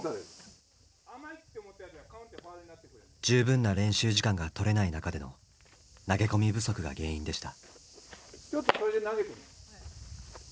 十分な練習時間が取れない中での投げ込み不足が原因でした。